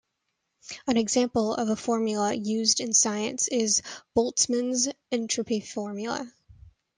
An example of a formula used in science is Boltzmann's entropy formula.